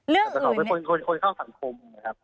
แต่เขาเป็นคนเข้าสังคม